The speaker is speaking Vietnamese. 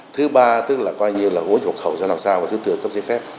thứ ba tức là coi như là gỗ thuộc khẩu ra làm sao và thứ tư là cấp giấy phép